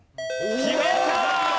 決めた！